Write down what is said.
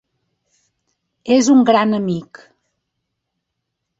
És un gran amic.